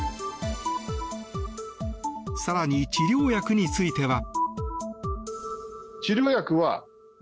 更に治療薬については。